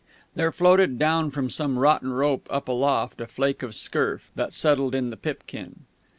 There floated down from some rotten rope up aloft a flake of scurf, that settled in the pipkin.